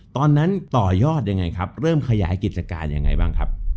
ตอนนั้นต่อยอดยังไงครับเริ่มขยายกิจการยังไงบ้างครับ